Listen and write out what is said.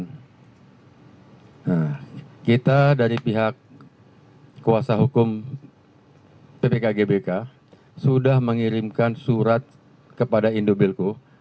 nah kita dari pihak kuasa hukum ppk gbk sudah mengirimkan surat kepada indobilco